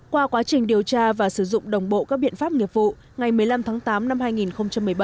qua quá trình điều tra và sử dụng đồng bộ các biện pháp nghiệp vụ ngày một mươi năm tháng tám năm hai nghìn một mươi ba